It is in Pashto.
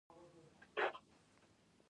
هر انسان باید خپل فرهنګ وپېژني.